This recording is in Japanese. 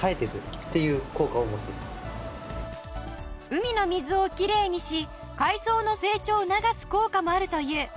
海の水をきれいにし海藻の成長を促す効果もあるという。